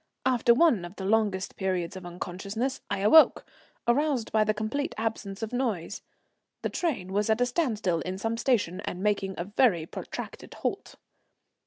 After one of the longest periods of unconsciousness I awoke, aroused by the complete absence of noise. The train was at a standstill in some station and making a very protracted halt.